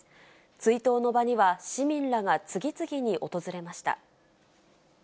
追悼の場には、市民らが次々に訪れました。